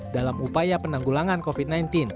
dalam upaya penanggulangan covid sembilan belas